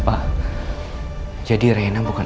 apa nadia kasih panggilan